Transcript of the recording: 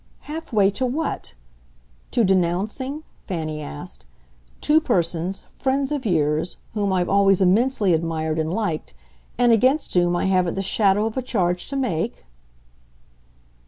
"Half way to what? To denouncing," Fanny asked, "two persons, friends of years, whom I've always immensely admired and liked, and against whom I haven't the shadow of a charge to make?"